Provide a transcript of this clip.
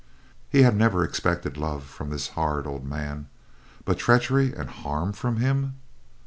He had never expected love from this hard old man, but treachery and harm from him?